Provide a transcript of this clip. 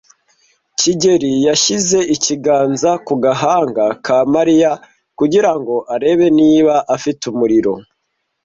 kigeli yashyize ikiganza ku gahanga ka Mariya kugira ngo arebe niba afite umuriro.